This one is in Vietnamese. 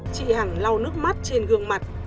chị hằng lau nước mắt trên gương mặt